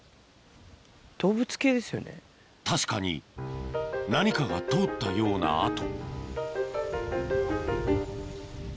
確かに何かが通ったような跡